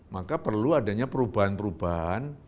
maka perlu adanya perubahan perubahan